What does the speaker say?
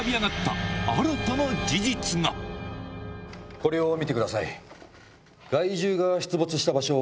これを見てください。